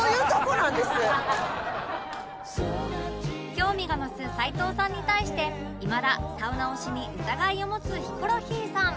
興味が増す齊藤さんに対していまだサウナ推しに疑いを持つヒコロヒーさん